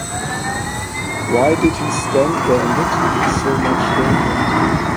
Why did he stand there amid so much danger?